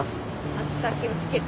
暑さ気をつけて。